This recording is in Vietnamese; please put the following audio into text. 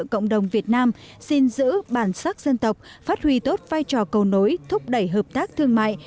cộng đồng việt nam xin giữ bản sắc dân tộc phát huy tốt vai trò cầu nối thúc đẩy hợp tác thương mại